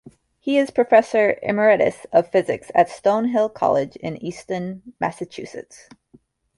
He is Professor Emeritus of Physics at Stonehill College, in Easton, Massachusetts.